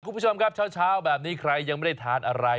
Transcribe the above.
คุณผู้ชมครับเช้าแบบนี้ใครยังไม่ได้ทานอะไร